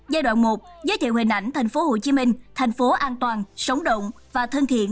giai đoạn một giới thiệu hình ảnh tp hcm thành phố an toàn sống động và thân thiện